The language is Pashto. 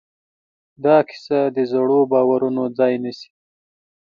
دا کیسه د زړو باورونو ځای نيسي.